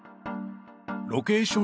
ロケーション